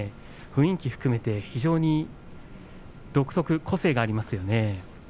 雰囲気含めて非常に独特な個性がありますね。